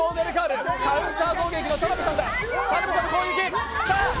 カウンター攻撃の田辺さんだ！